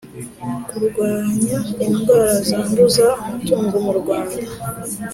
kurwanya indwara zanduza amatungo mu Rwanda